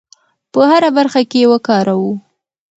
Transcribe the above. په هره برخه کې یې وکاروو.